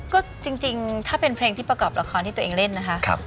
ก็จริงถ้าเป็นเพลงที่ประกอบละครที่ตัวเองเล่นนะคะ